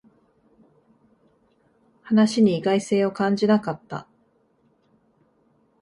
話に意外性を感じなかった